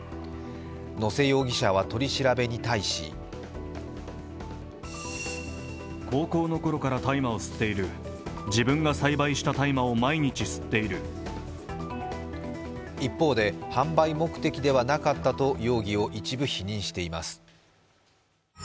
野瀬容疑者は、取り調べに対し一方で販売目的ではなかったと容疑を一部否認しています。